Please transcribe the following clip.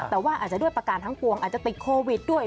แต่ว่าอาจจะด้วยประการทั้งปวงอาจจะติดโควิดด้วย